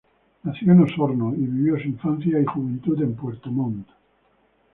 Nació en Osorno, y vivió su infancia y juventud en Puerto Montt.